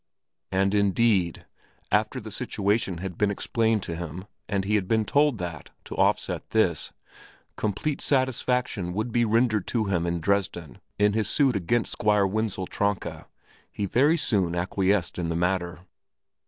And indeed, after the situation had been explained to him and he had been told that, to offset this, complete satisfaction would be rendered to him in Dresden in his suit against Squire Wenzel Tronka, he very soon acquiesced in the matter.